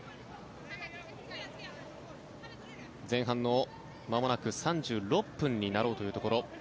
前半のまもなく３６分になろうというところ。